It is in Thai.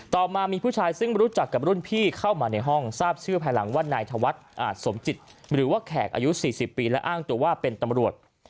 ต่อมามีผู้ชายซึ่งรู้จักกับรุ่นพี่เข้ามาในห้องทราบชื่อภายหลังว่านายธวัฒน์อาจสมจิตหรือว่าแขกอายุ๔๐ปีและอ้างตัวว่าเป็นตำรวจ